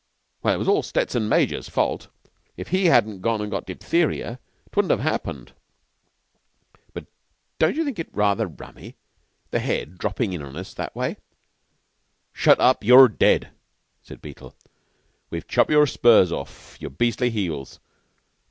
"Well, it was all Stettson major's fault. If he hadn't gone an' got diphtheria 'twouldn't have happened. But don't you think it rather rummy the Head droppin' on us that way?" "Shut up! You're dead!" said Beetle. "We've chopped your spurs off your beastly heels.